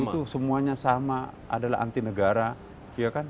itu semuanya sama adalah anti negara